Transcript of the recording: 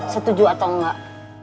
setuju atau enggak